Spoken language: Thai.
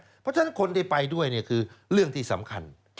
เพราะฉะนั้นคนที่ไปด้วยคือเรื่องที่สำคัญ